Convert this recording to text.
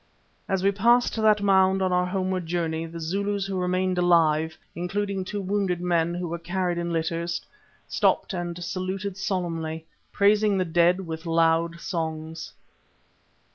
As we passed that mound on our homeward journey, the Zulus who remained alive, including two wounded men who were carried in litters, stopped and saluted solemnly, praising the dead with loud songs.